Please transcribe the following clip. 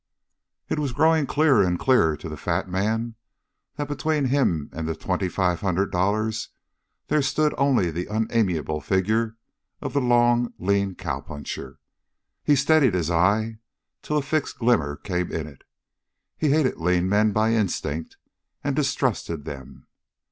It was growing clearer and clearer to the fat man that between him and twenty five hundred dollars there stood only the unamiable figure of the long, lean cowpuncher. He steadied his eye till a fixed glitter came in it. He hated lean men by instinct and distrusted them.